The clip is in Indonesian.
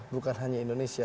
bukan hanya indonesia